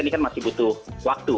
ini kan masih butuh waktu